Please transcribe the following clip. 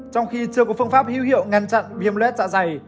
trong khi chưa có phương pháp hưu hiệu ngăn chặn viêm luet dạ dày